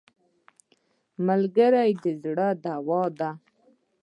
ملګری د زړه دوا ده